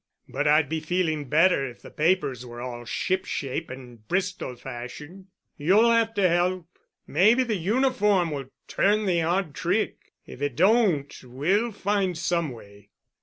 But I'd be feeling better if the papers were all ship shape and Bristol fashion. You'll have to help. Maybe the uniform will turn the odd trick. If it don't we'll find some way.